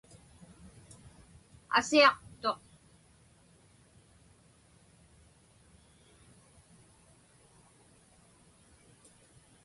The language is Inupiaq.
Asiaqtuq.